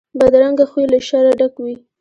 بدرنګه خوی له شره ډک وي